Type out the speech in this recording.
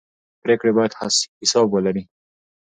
پرېکړې باید حساب ولري